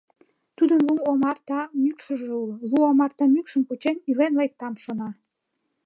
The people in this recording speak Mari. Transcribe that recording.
Тудын лу омарта мӱкшыжӧ уло: лу омарта мӱкшым кучен, илен лектам, шона.